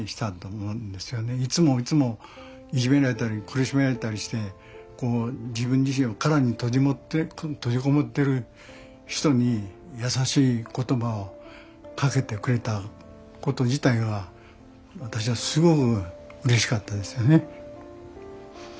いつもいつもいじめられたり苦しめられたりして自分自身の殻に閉じこもってる人に優しい言葉をかけてくれたこと自体が私はすごくうれしかったですよね。